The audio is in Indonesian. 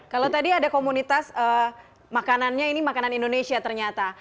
kalau tadi ada komunitas makanannya ini makanan indonesia ternyata